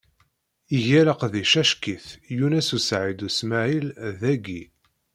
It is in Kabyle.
Iga leqdic ack-it Yunes u Saɛid u Smaɛil, dagi.